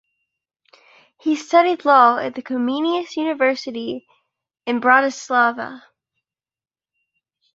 He studied law at the Comenius University in Bratislava.